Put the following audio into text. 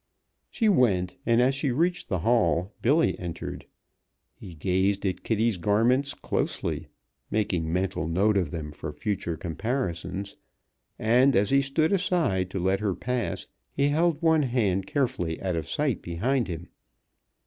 She went, and as she reached the hall, Billy entered. He gazed at Kitty's garments closely, making mental note of them for future comparisons, and as he stood aside to let her pass he held one hand carefully out of sight behind him.